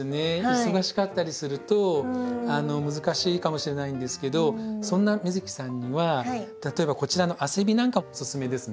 忙しかったりすると難しいかもしれないんですけどそんな美月さんには例えばこちらのアセビなんかおすすめですね。